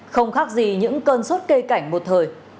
không khác gì những cơn sốt cây cảnh một thời